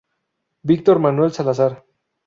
Victor Manuel Salazar.